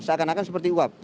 seakan akan seperti uap